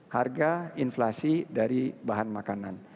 harga inflasi dari bahan makanan